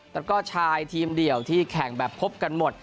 แล้วก็ชายทีมเดี่ยวที่แข่งแบบพบกันหมด